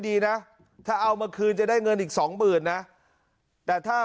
ดีนะถ้าเอามาคืนจะได้เงินอีกสองหมื่นนะแต่ถ้า